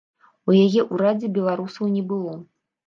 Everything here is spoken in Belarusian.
У яе ўрадзе беларусаў не было.